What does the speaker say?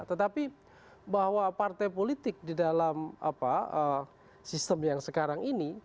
tetapi bahwa partai politik di dalam sistem yang sekarang ini